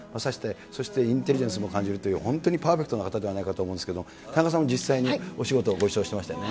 そしてインテリジェンスも感じるという、本当にパーフェクトな方ではないかと思うんですけれども、田中さんも実際にお仕事ご一緒してましたよね。